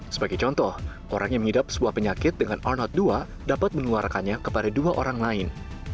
sebagai contoh orang yang mengidap sebuah penyakit dengan arnot dua dapat menularkannya kepada dua orang lain